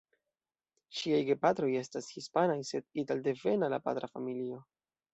Ŝiaj gepatroj estas hispanaj sed italdevena la patra familio.